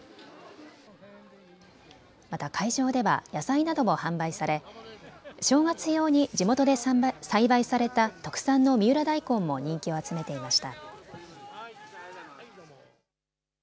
また会場では野菜なども販売され正月用に地元で栽培された特産の三浦ダイコンも人気を集めていました。